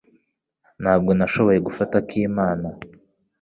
Ntabwo nashoboye gufata Akimana.